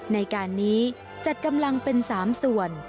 ในการนี้จัดกำลังเป็น๓ส่วน